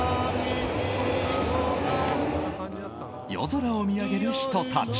夜空を見上げる人たち。